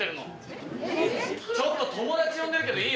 「ちょっと友達呼んでるけどいい？